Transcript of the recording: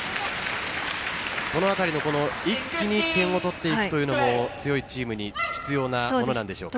このあたりの一気に点を取っていくというのが強いチームに必要なものなんでしょうか？